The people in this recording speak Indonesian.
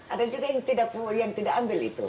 ada juga yang tidak ambil itu